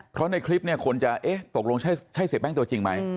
เพราะในคลิปเนี่ยคนจะเอ๊ะตกลงใช่เสียแป้งตัวจริงไหม